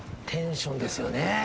テンションですよね。